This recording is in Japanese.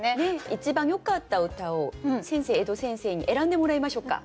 一番よかった歌を江戸先生に選んでもらいましょうか。